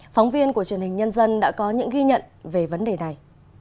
phóng viên của truyền hình nhân dân đã có những ghi nhận về vấn đề này